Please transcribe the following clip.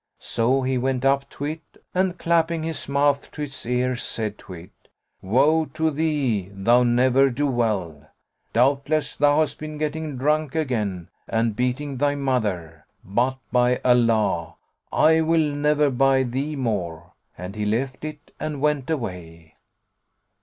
So he went up to it and clapping his mouth to its ear, said to it, "Woe to thee, thou ne'er do well! Doubtless thou hast been getting drunk again and beating thy mother! But, by Allah, I will never buy thee more."[FN#120] and he left it and went away.